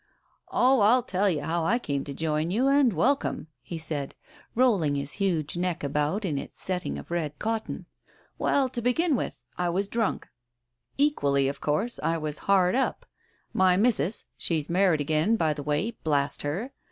"Oh, I'll tell you how I came to join you and wel come !" he said, rolling his huge neck about in its setting of red cotton. "Well, to begin with, I was drunk. Digitized by Google THE COACH 145 Equally, of course, I was hard up. My missus — she's married again, by the way, blast her